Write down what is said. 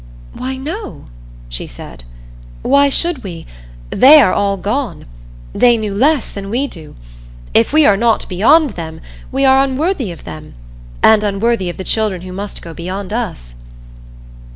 "Why, no," she said. "Why should we? They are all gone. They knew less than we do. If we are not beyond them, we are unworthy of them and unworthy of the children who must go beyond us."